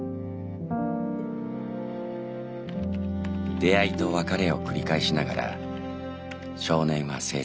「出会いと別れを繰り返しながら少年は成長した。